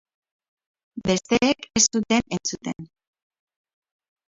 Besteek ez zuten entzuten.